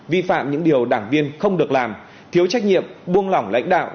vi phạm những điều đảng viên không được làm thiếu trách nhiệm buông lỏng lãnh đạo